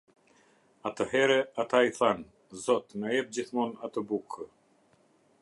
Atëhere ata i thanë: "Zot, na jep gjithmonë atë bukë".